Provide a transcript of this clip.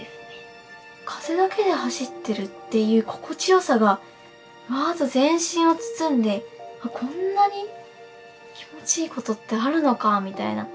風だけで走ってるっていう心地よさがワーッと全身を包んでこんなに気持ちいいことってあるのかみたいな。